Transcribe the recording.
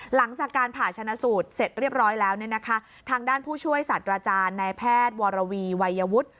หลังจากการผ่าชนะสูตรเสร็จเรียบร้อยแล้วเนี่ยนะคะทางด้านผู้ช่วยศาสตราจารย์นายแพทย์วรวีวัยวุฒิ